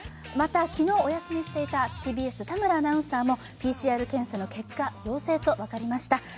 また昨日、お休みしていたＴＢＳ・田村アナウンサーもＰＣＲ検査の結果陽性と分かりました。